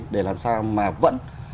để làm sao mà vẫn